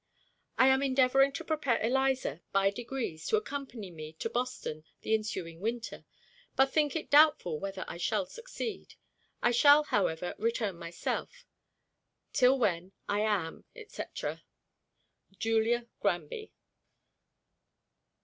I am endeavoring to prepare Eliza, by degrees, to accompany me to Boston the ensuing winter, but think it doubtful whether I shall succeed. I shall, however, return myself: till when, I am, &c., JULIA GRANBY.